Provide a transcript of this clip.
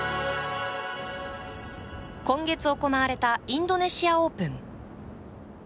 今月行われたインドネシアオープン。